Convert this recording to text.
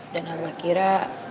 dan abah kira